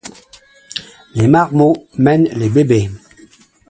Les marmots mènent les bébés.